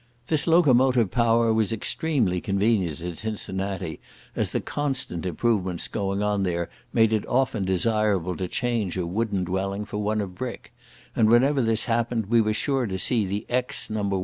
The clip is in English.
This locomotive power was extremely convenient at Cincinnati, as the constant improvements going on there made it often desirable to change a wooden dwelling for one of brick; and whenever this happened, we were sure to see the ex No.